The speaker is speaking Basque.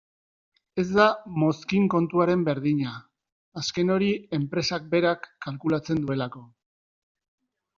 Ez da mozkin-kontuaren berdina, azken hori enpresak berak kalkulatzen duelako.